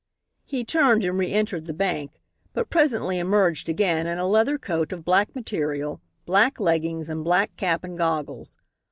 He turned and reëntered the bank, but presently emerged again in a leather coat of black material, black leggings and black cap and goggles.